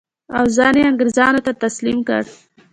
او ځان یې انګرېزانو ته تسلیم کړ.